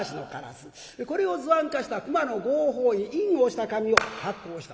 これを図案化した熊野牛王宝印印を押した紙を発行した。